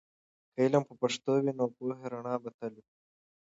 که علم په پښتو وي، نو د پوهې رڼا به تل وي.